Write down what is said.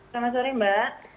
selamat sore mbak